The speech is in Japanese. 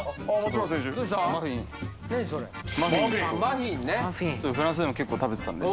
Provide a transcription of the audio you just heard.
フランスでも結構食べてたんで。